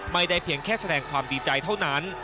เพียงแค่แสดงความดีใจเท่านั้น